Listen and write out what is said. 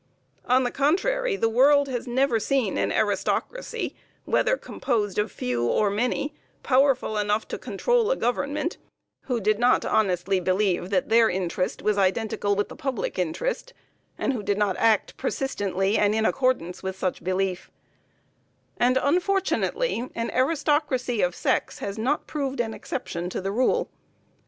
On the contrary, the world has never seen an aristocracy, whether composed of few or many, powerful enough to control a government, who did not honestly believe that their interest was identical with the public interest, and who did not act persistently in accordance with such belief; and, unfortunately, an aristocracy of sex has not proved an exception to the rule.